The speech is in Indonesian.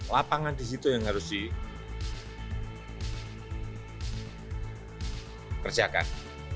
lapangan di situ yang harus dikerjakan